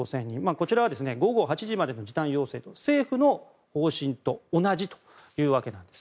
これは、午後８時までの時短要請と、政府の方針と同じというわけなんです。